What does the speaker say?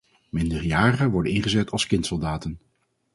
Minderjarigen worden ingezet als kindsoldaten.